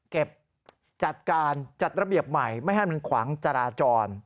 จัดการจัดระเบียบใหม่ไม่ให้มันขวางจราจร